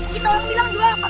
kita bilang juga